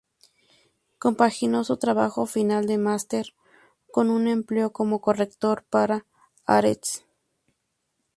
Compaginó su trabajo final de máster, con un empleo como corrector para Haaretz.